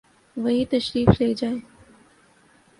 وہی تشریف لے جائیں۔